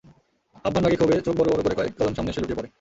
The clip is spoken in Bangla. হাব্বান রাগে-ক্ষোভে চোখ বড় বড় করে কয়েক কদম সামনে এসে লুটিয়ে পড়ে।